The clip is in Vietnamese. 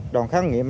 đoàn khám nghiệm